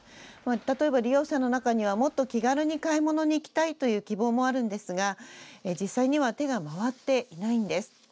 例えば利用者の中にはもっと気軽に買い物に行きたいという希望もあるんですが実際には手が回っていないんです。